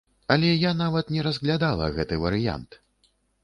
Але я нават не разглядала гэты варыянт!